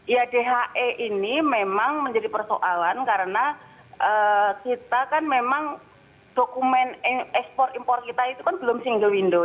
ya dhe ini memang menjadi persoalan karena kita kan memang dokumen ekspor impor kita itu kan belum single window